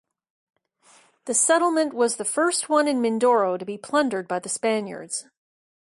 The settlement was the first one in Mindoro to be plundered by the Spaniards.